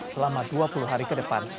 selama dua puluh hari ke depan